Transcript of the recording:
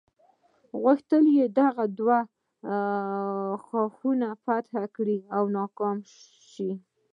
غوښتل یې دغه دوه ښارونه فتح کړي خو ناکام شو.